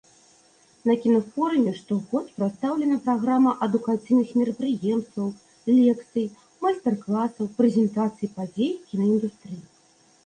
На кінафоруме штогод прадстаўлена праграма адукацыйных мерапрыемстваў, лекцый, майстар-класаў, прэзентацый падзей кінаіндустрыі.